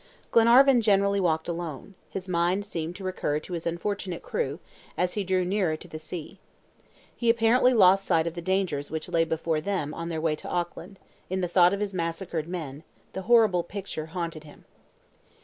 Glenarvan generally walked alone; his mind seemed to recur to his unfortunate crew, as he drew nearer to the sea. He apparently lost sight of the dangers which lay before them on their way to Auckland, in the thought of his massacred men; the horrible picture haunted him.